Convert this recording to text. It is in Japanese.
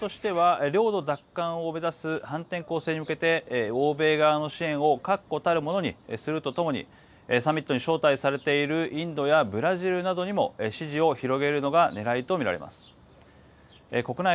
ウクライナ側としては領土奪還を目指す反転攻勢に向けて欧米側の支援を確固たるものにするとともにサミットに招待されているインドやブラジルなどにも支持を広げるのがねらいと見られます。